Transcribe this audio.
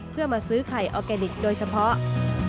เพื่อมาซื้อไข่ออร์แกนิคโดยเฉพาะ